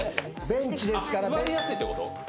ベンチですから座りやすいってこと？